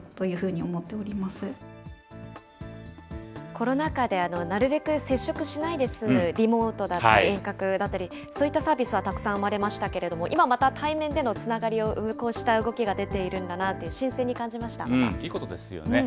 コロナ禍でなるべく接触しないですむリモートだったり遠隔だったり、そういったサービスはたくさん生まれましたけれども、今また対面でのつながりを生むこうした動きが出ているんだなと、新いいことですよね。